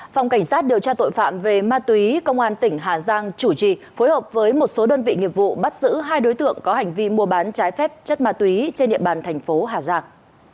phòng cảnh sát điều tra tội phạm về ma túy công an tỉnh hà giang chủ trì phối hợp với một số đơn vị nghiệp vụ bắt giữ hai đối tượng có hành vi mua bán trái phép chất ma túy trên địa bàn thành phố hà giang